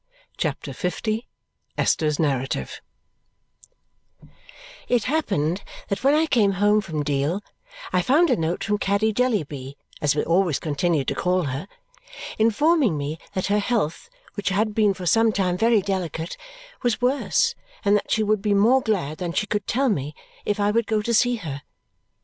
CHAPTER L Esther's Narrative It happened that when I came home from Deal I found a note from Caddy Jellyby (as we always continued to call her), informing me that her health, which had been for some time very delicate, was worse and that she would be more glad than she could tell me if I would go to see her.